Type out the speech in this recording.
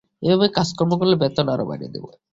এইভাবে কাজকর্ম করলে বেতন আরো বাড়িয়ে দিব।